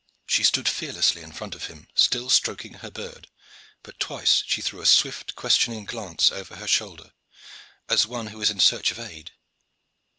She stood fearlessly in front of him, still stroking her bird; but twice she threw a swift questioning glance over her shoulder, as one who is in search of aid.